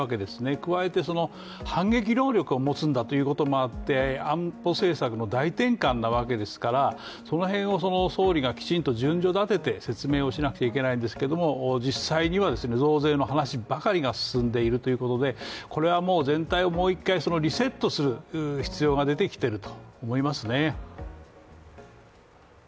加えて反撃能力を持つんだということもあって安保政策の大転換なわけですからその辺を、総理がきちんと順序立てて説明しなくちゃいけないんですが実際には、増税の話ばかりが進んでいるということでこれはもう、全体をもう一回リセットする必要が出てきていると思いますね。